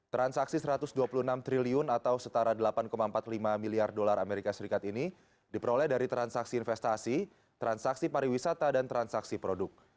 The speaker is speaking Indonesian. transaksi satu ratus dua puluh enam triliun atau setara delapan empat puluh lima miliar dolar amerika serikat ini diperoleh dari transaksi investasi transaksi pariwisata dan transaksi produk